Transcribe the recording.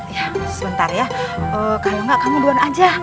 ya sebentar ya kalau enggak kamu duluan aja